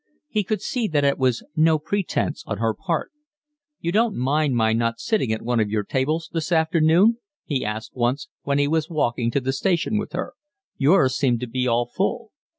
He could see that it was no pretence on her part. "You didn't mind my not sitting at one of your tables this afternoon?" he asked once, when he was walking to the station with her. "Yours seemed to be all full."